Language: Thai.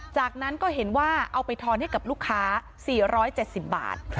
จากนั้นก็เห็นว่าเอาไปทอนให้กับลูกค้า๔๗๐บาท